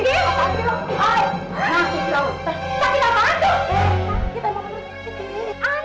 eh sakit emang